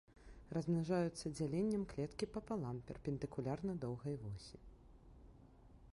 Размнажаюцца дзяленнем клеткі папалам перпендыкулярна доўгай восі.